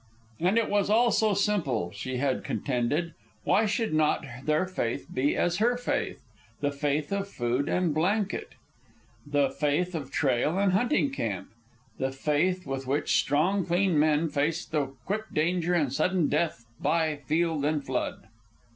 And it was all so simple, she had contended; why should not their faith be as her faith the faith of food and blanket? The faith of trail and hunting camp? The faith with which strong clean men faced the quick danger and sudden death by field and flood?